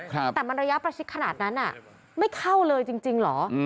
แต่มันระยะประชิดขนาดนั้นอ่ะไม่เข้าเลยจริงเหรอ